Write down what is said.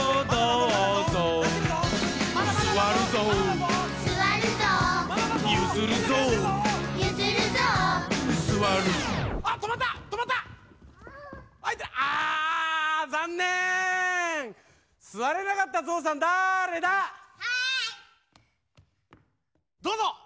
どうぞ！